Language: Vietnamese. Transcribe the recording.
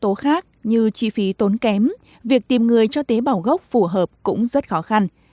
các yếu tố khác như chi phí tốn kém việc tìm người cho tế bào gốc phù hợp cũng rất khó khăn